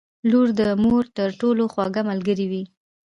• لور د مور تر ټولو خوږه ملګرې وي.